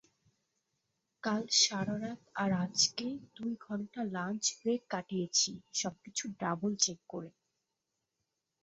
কাল সারারাত আর আজকের দুই ঘণ্টা লাঞ্চ ব্রেক কাটিয়েছি সবকিছু ডাবল-চেক করে।